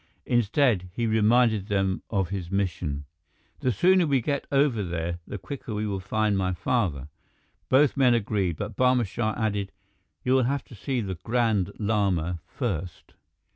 Instead, he reminded them of his mission: "The sooner we get over there, the quicker we will find my father." Both men agreed, but Barma Shah added, "You will have to see the Grand Lama first."